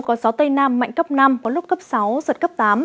có gió tây nam mạnh cấp năm có lúc cấp sáu giật cấp tám